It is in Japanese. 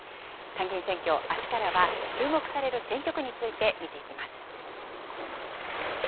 参議院選挙、あすからは注目される選挙区について見ていきます。